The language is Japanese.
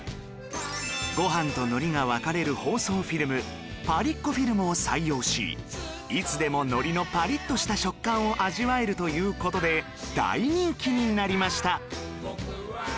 ご飯と海苔が分かれる包装フィルムパリッコフィルムを採用しいつでも海苔のパリッとした食感を味わえるという事で大人気になりました